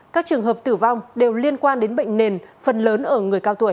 các trường hợp tử vong đều liên quan đến bệnh nền phần lớn ở người cao tuổi